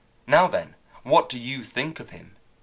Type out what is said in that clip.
Now, then, what do you think of him?